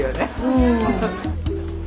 うん。